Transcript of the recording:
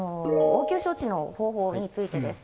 応急処置の方法についてです。